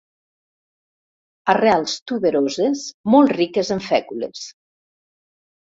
Arrels tuberoses molt riques en fècules.